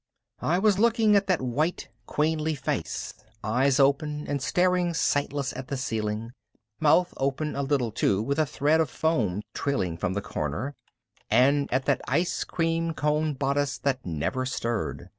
I was looking at that white queenly face, eyes open and staring sightless at the ceiling, mouth open a little too with a thread of foam trailing from the corner, and at that ice cream cone bodice that never stirred.